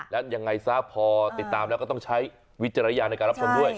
และยังไงซะพอติดตามแล้วก็ต้องใช้วิจารณญาณในการรับชมด้วย